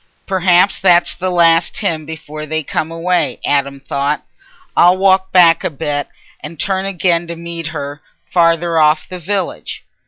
"Perhaps that's the last hymn before they come away," Adam thought. "I'll walk back a bit and turn again to meet her, farther off the village."